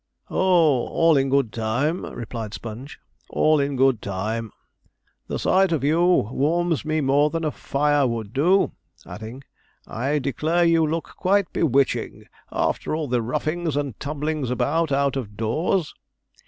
'Oh! all in good time,' replied Sponge, 'all in good time. The sight of you warms me more than a fire would do'; adding, 'I declare you look quite bewitching, after all the roughings and tumblings about out of doors.'